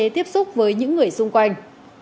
tiếp xúc với những người xung quanh